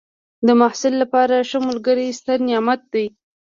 د محصل لپاره ښه ملګری ستر نعمت دی.